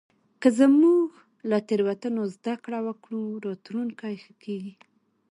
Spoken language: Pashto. که موږ له تېروتنو زدهکړه وکړو، راتلونکی ښه کېږي.